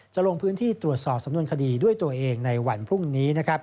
ลงพื้นที่ตรวจสอบสำนวนคดีด้วยตัวเองในวันพรุ่งนี้